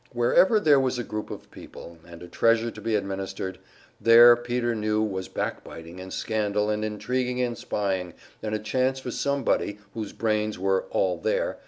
Wherever there was a group of people, and a treasure to be administered, there Peter knew was backbiting and scandal and intriguing and spying, and a chance for somebody whose brains were "all there."